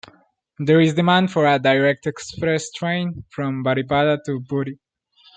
There is demand for a direct express train from Baripada to Puri.